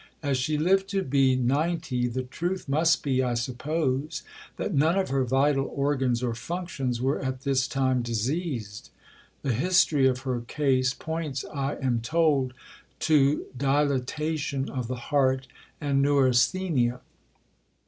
As she lived to be ninety, the truth must be, I suppose, that none of her vital organs or functions were at this time diseased. The history of her case points, I am told, to dilatation of the heart and neurasthenia.